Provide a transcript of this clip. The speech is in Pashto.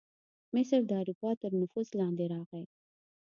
مصر د اروپا تر نفوذ لاندې راغی.